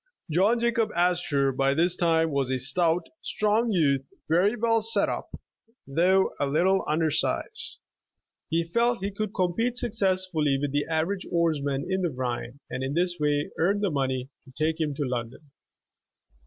John Jacob Astor by this time was a stout, strong youth, very well set up, though a little under size. He felt he could compete successfully with the average oarsman on the Rhine, and in this way earn the money to take iiim to London.